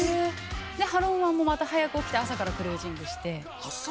でハロン湾もまた早く起きて朝からクルージングして。